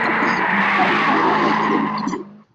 步曾槭